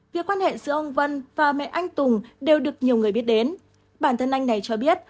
việc quan hệ giữa ông vân và mẹ anh tùng đều được nhiều người biết đến bản thân anh này cho biết